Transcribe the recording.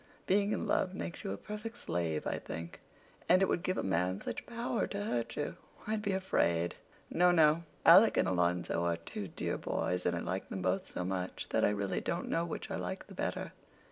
Being in love makes you a perfect slave, I think. And it would give a man such power to hurt you. I'd be afraid. No, no, Alec and Alonzo are two dear boys, and I like them both so much that I really don't know which I like the better.